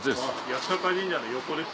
八坂神社の横です。